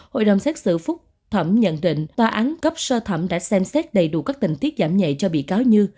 hội đồng xét xử phúc thẩm nhận định tòa án cấp sơ thẩm đã xem xét đầy đủ các tình tiết giảm nhẹ cho bị cáo như